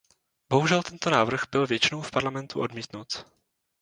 Bohužel tento návrh byl většinou v Parlamentu odmítnut.